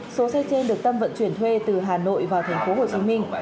số xe trên được tâm vận chuyển thuê từ hà nội vào thành phố hồ chí minh